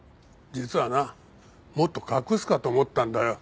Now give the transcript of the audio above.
実はなもっと隠すかと思ったんだよ。